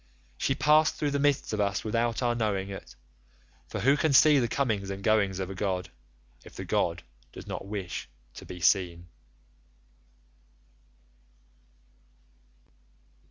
She passed through the midst of us without our knowing it, for who can see the comings and goings of a god, if the god does not wish to be seen?